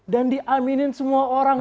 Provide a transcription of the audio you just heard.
dan di aminin semua orang